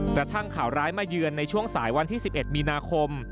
กระทั่งข่าวร้ายมาเยือนในช่วงสายวันที่๑๑มีนาคม